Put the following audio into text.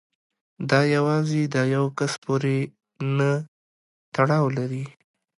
دا یوازې د یو کس پورې نه تړاو لري.